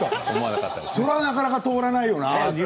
それはなかなか通らないよな。